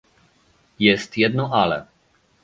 Jest jedno "ale"